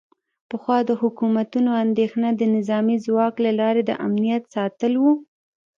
پخوا د حکومتونو اندیښنه د نظامي ځواک له لارې د امنیت ساتل و